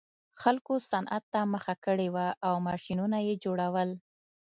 خلکو صنعت ته مخه کړې وه او ماشینونه یې جوړول